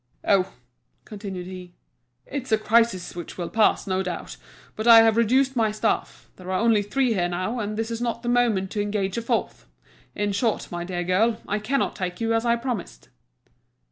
"Oh," continued he, "it's a crisis which will pass, no doubt, but I have reduced my staff; there are only three here now, and this is not the moment to engage a fourth. In short, my dear girl, I cannot take you as I promised."